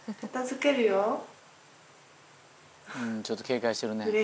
ちょっと警戒してるね。